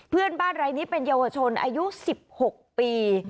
เพื่อนบ้านรายนี้เป็นเยาวชนอายุ๑๖ปี